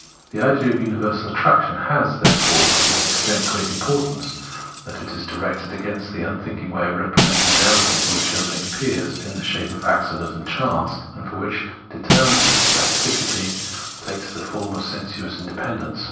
The idea of universal attraction has, therefore, to this extent great importance, that it is directed against that unthinking way of representing reality, to which everything appears in the shape of accident and chance, and for which determinateness, specificity, takes the form of sensuous independence.